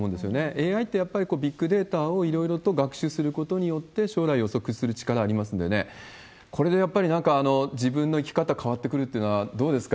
ＡＩって、やっぱりビッグデータをいろいろと学習することによって、将来予測する力ありますんでね、これでやっぱり、なんか自分の生き方変わってくるっていうのは、どうですか？